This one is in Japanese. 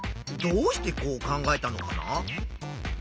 どうしてこう考えたのかな？